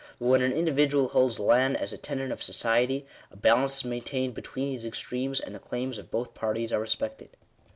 Bat when an individual holds land as a tenant of society, a balanoe is maintained between these extremes, and the claims of both parties are respected.